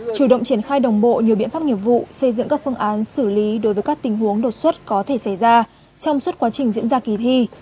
chủ động triển khai đồng bộ nhiều biện pháp nghiệp vụ xây dựng các phương án xử lý đối với các tình huống đột xuất có thể xảy ra trong suốt quá trình diễn ra kỳ thi